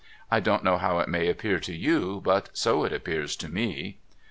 I don't know how it may appear to you, but so it appears to me.'